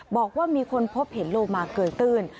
บอกว่ามีคนพบเห็นโลมาเกยตื้น